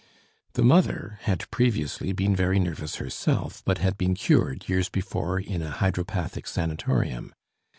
The mother had previously been very nervous herself, but had been cured years before in a hydropathic sanatorium.